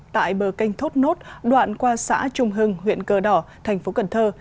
tại bờ canh thốt nốt đoạn qua xã trung hưng huyện cờ đỏ thành phố cần thơ